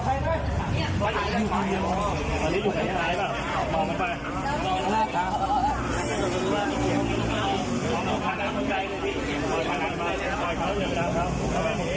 เพราะว่ากลับทางมันปากหมากไม่ตรงกับพี่มาขึ้นชิ้นวาย